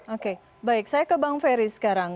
oke baik saya ke bang ferry sekarang